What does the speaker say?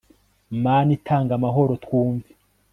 mana itanga amahoro twumve